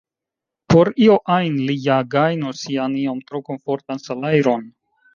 Por io ajn li ja gajnu sian iom tro komfortan salajron.